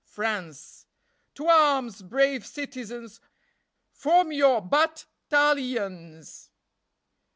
" France: To arms, brave citizens! Form your bat talions!